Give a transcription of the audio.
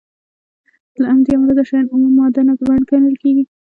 له همدې امله دا شیان اومه ماده نه ګڼل کیږي.